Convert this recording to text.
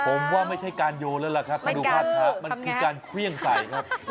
ผมว่าไม่ใช่การโยนแล้วล่ะค่ะคือการเครื่องใสครับ